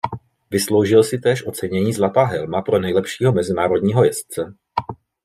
Vysloužil si též ocenění „Zlatá helma“ pro nejlepšího mezinárodního jezdce.